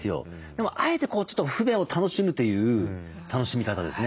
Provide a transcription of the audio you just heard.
でもあえて不便を楽しむという楽しみ方ですね。